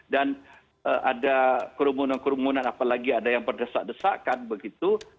dan ada kerumunan kerumunan apalagi ada yang berdesak desakan begitu